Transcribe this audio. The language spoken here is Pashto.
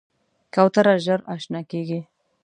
کوتره ژر اشنا کېږي.